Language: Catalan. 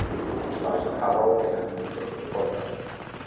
Els nois de Harrow tenen dos uniformes.